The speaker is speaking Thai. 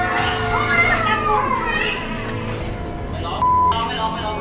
เมื่อละพวกน้องต่อแม่ดู